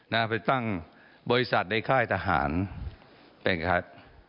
นะไปตั้งบริษัทในค่ายทหารเป็นครับ